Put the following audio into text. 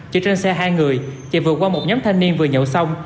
chạy trên xe hai người chạy vừa qua một nhóm thanh niên vừa nhậu xong